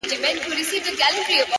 بيا وايم زه؛ يو داسې بله هم سته؛